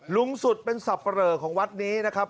สุดเป็นสับปะเหลอของวัดนี้นะครับ